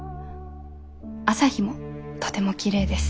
朝日もとてもきれいです。